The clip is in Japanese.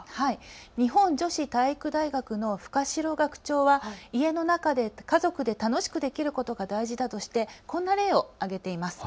日本女子体育大学の深代学長は家の中で家族で楽しくできることが大事だとしてこんな例を挙げています。